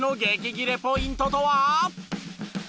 ギレポイントとは？